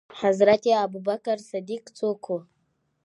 حضرت ابوبکر صديق څوک وو؟